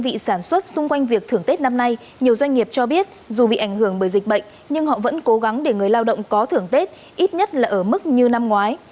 bên cạnh việc thưởng tết năm nay nhiều doanh nghiệp cho biết dù bị ảnh hưởng bởi dịch bệnh nhưng họ vẫn cố gắng để người lao động có thưởng tết ít nhất là ở mức như năm ngoái